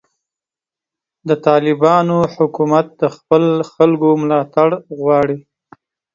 د طالبانو حکومت د خپلو خلکو ملاتړ غواړي.